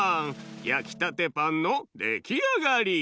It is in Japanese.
やきたてパンのできあがり！